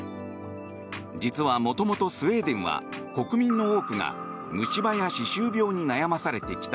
実は元々、スウェーデンは国民の多くが虫歯や歯周病に悩まされてきた。